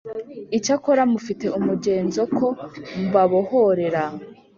Icyakora mufite umugenzo ko mbabohorera